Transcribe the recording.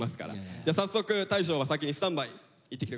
じゃあ早速大昇は先にスタンバイ行ってきて下さい。